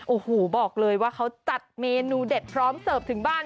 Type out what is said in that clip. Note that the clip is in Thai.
โอ้โหบอกเลยว่าเขาจัดเมนูเด็ดพร้อมเสิร์ฟถึงบ้าน